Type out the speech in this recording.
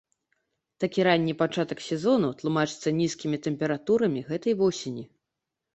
Такі ранні пачатак сезону тлумачыцца нізкімі тэмпературамі гэтай восені.